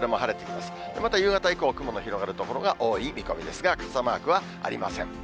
また夕方以降、雲の広がる所が多い見込みですが、傘マークはありません。